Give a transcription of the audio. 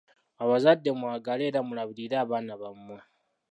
Abazadde mwagale era mulabirire abaana bammwe.